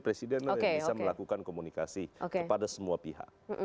presiden yang bisa melakukan komunikasi kepada semua pihak